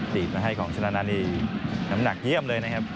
ดีดมาให้ของชนะนานนี่น้ำหนักเยี่ยมเลยนะครับ